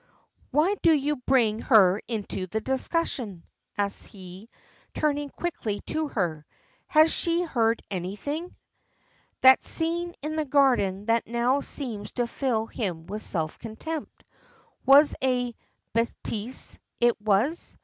"Why do you bring her into the discussion?" asks he, turning quickly to her. Has she heard anything? That scene in the garden that now seems to fill him with self contempt. What a bêtise it was!